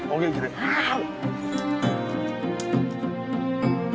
はい。